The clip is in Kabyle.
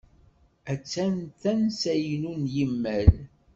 Attan tansa-inu n imayl.